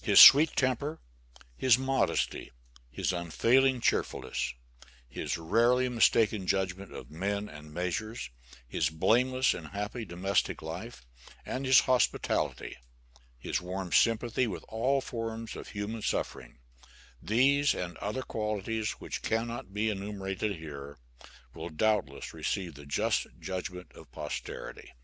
His sweet temper, his modesty, his unfailing cheerfulness, his rarely mistaken judgment of men and measures; his blameless and happy domestic life, and his hospitality; his warm sympathy with all forms of human suffering these and other qualities which cannot be enumerated here, will doubtless receive the just judgment of posterity.